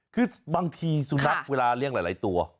คือบางทีสุนัขเวลาเลี้ยงหลายตัว